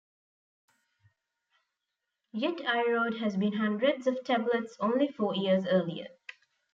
Yet Eyraud had seen hundreds of tablets only four years earlier.